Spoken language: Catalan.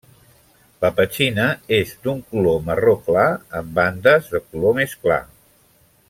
La petxina és d'un color marró clar, amb bandes de color més clar.